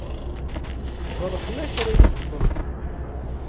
D ṛṛeḥma-k ara iyi-iṣebbren.